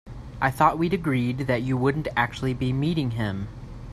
I thought we'd agreed that you wouldn't actually be meeting him?